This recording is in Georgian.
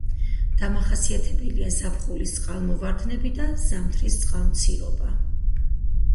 დამახასიათებელია ზაფხულის წყალმოვარდნები და ზამთრის წყალმცირობა.